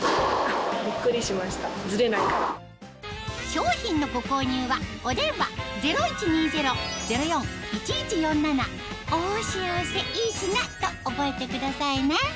商品のご購入はお電話０１２０−０４−１１４７と覚えてくださいね